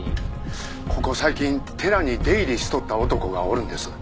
ここ最近寺に出入りしとった男がおるんです。